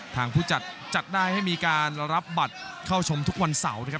ผู้จัดจัดได้ให้มีการรับบัตรเข้าชมทุกวันเสาร์นะครับ